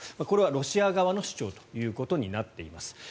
これはロシア側の主張ということになっています。